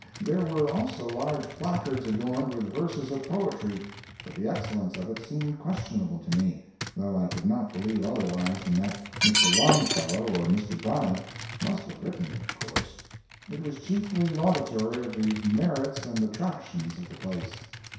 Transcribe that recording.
There were also large placards adorned with verses of poetry, but the excellence of it seemed questionable to me, though I could not believe otherwise than that Mr. Longfellow or Mr. Bryant must have written it, of course. It was chiefly laudatory of the merits and attractions of the place.